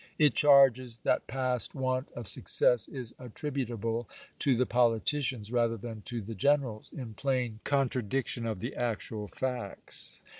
It charges chap.vi. that past want of success "is attributable to the politicians rather than to the generals " in plain con tradiction of the actual facts.